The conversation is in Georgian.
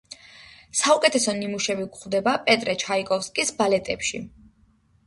საუკეთესო ნიმუშები გვხვდება პეტრე ჩაიკოვსკის ბალეტებში.